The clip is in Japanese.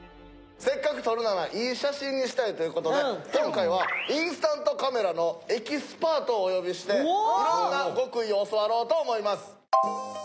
せっかく撮るならいい写真にしたいという事で今回はインスタントカメラのエキスパートをお呼びして色んな極意を教わろうと思います。